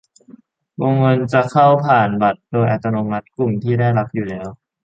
วงเงินจะเข้าผ่านบัตรโดยอัตโนมัติ กลุ่มที่ได้รับอยู่แล้ว